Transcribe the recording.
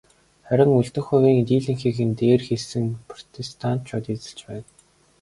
Харин үлдэх хувийн дийлэнхийг нь дээр хэлсэн протестантчууд эзэлж байна.